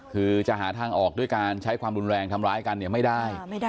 คือจะหาทางออกด้วยการใช้ความรุนแรงทำร้ายกันเนี่ยไม่ได้